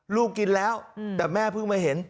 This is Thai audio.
ลูกกินแล้วแต่แม่เพิ่งมาเห็น